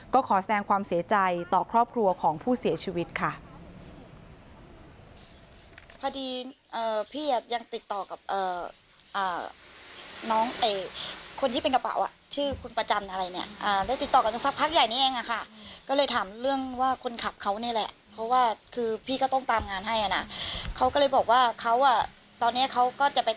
ก็ขอแสดงความเสียใจต่อครอบครัวของผู้เสียชีวิตค่ะ